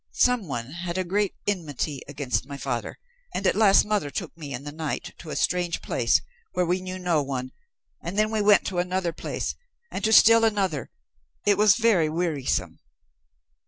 Some one had a great enmity against my father, and at last mother took me in the night to a strange place where we knew no one, and then we went to another place and to still another. It was very wearisome."